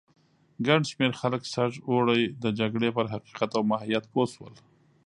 ګڼ شمېر خلک سږ اوړی د جګړې پر حقیقت او ماهیت پوه شول.